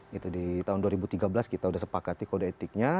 gitu di tahun dua ribu tiga belas kita sudah sepakati kode etiknya